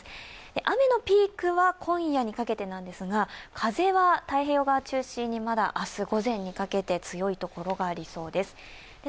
雨のピークは今夜にかけてなんですが、風は太平洋にかけて午前、強い所がありそうです。